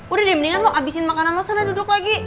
udah deh mendingan lo habisin makanan lok sana duduk lagi